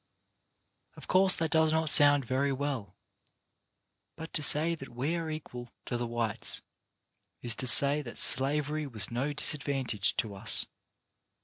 Of course that does not sound very well; but to say that we are equal to the whites is to say that slavery was no disadvantage to us.